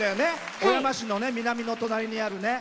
小山市の南の隣にある。